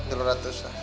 tiga ratus tah